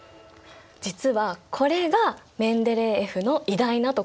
実はこれがメンデレーエフの偉大なところ！